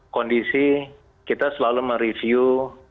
kondisi kita selalu mereview